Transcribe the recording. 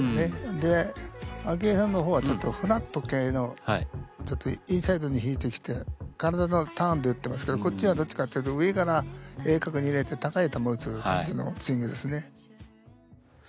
で明愛さんの方はちょっとフラット系のインサイドに引いてきて体のターンで打ってますけどこっちはどっちかっていうと上から鋭角に入れて高い球打つ感じのスイングですね。